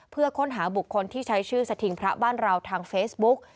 เพื่อค้นหาบุคคลที่ใช้ชื่อสถิงพระบ้านเราทางเฟซบุ๊ก